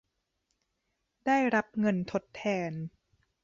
ได้รับเงินทดแทน